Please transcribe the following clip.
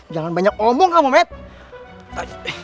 jangan banyak omong kamu matt